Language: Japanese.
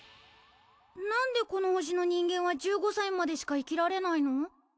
何でこの星の人間は１５歳までしか生きられないの？